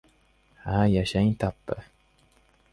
— Ha, yashang, tappi!